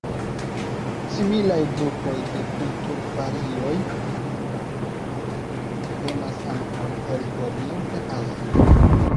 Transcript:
Similaj grupoj de kulturvarioj venas ankaŭ el orienta Azio.